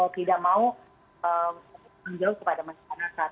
tidak mau menjawab kepada masyarakat